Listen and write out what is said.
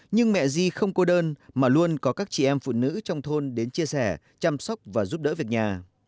nhưng mẹ di không có đơn mà luôn có các chị em phụ nữ trong thôn đến chia sẻ chăm sóc và giúp đỡ việc nhà